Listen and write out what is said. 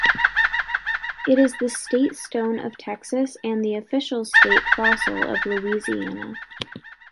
It is the state stone of Texas and the official state fossil of Louisiana.